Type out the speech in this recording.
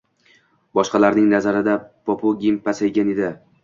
Boshqalarning nazarida “popugim pasaygan” edi.